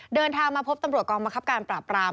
เดินทางมาพบตำรวจกองบังคับการปราบราม